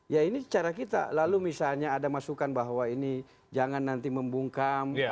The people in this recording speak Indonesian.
ya ini cara kita lalu misalnya ada masukan bahwa ini jangan nanti membungkam